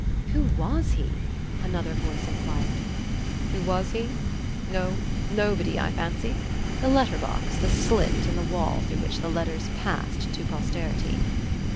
"Who WAS he?" another voice inquired. "Who was he? Oh, nobody, I fancy the letter box, the slit in the wall through which the letters passed to posterity...."